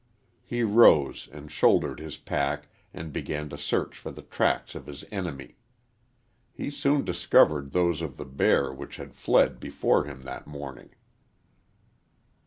He rose and shouldered his pack and began to search for the tracks of his enemy. He soon discovered those of the bear which had fled before him that morning.